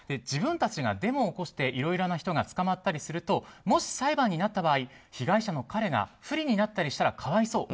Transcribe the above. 自分たちがデモを起こしていろいろな人たちが捕まったりするともし裁判になった場合被害者の彼が不利になったりしたら可哀想。